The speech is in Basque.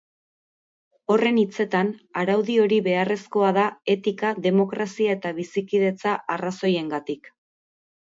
Horren hitzetan, araudi hori beharrezkoa da etika, demokrazia eta bizikidetza arrazoiengatik.